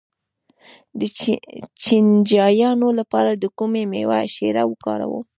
د چینجیانو لپاره د کومې میوې شیره وکاروم؟